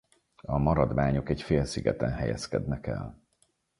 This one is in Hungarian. A maradványok egy félszigeten helyezkednek el.